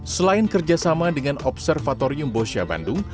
selain kerjasama dengan observatorium bosha bandung